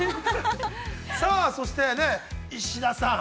さあ、そして石田さん。